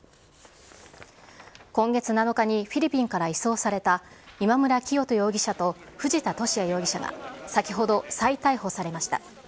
今月７日にフィリピンから移送された今村磨人容疑者と藤田聖也容疑者が先ほど再逮捕されました。